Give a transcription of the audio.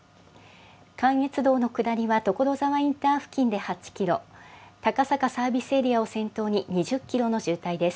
関越道の下りは所沢インター付近で８キロ、高坂サービスエリアを先頭に２０キロの渋滞です。